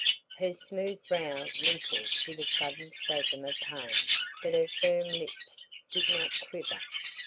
Her smooth brow wrinkled with a sudden spasm of pain but her firm lips did not quiver.